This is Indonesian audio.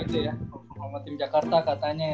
sama tim jakarta katanya ya